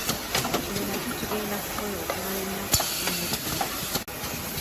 Kino nakyo kigenda kukola okumala ennaku ana mu bbiri.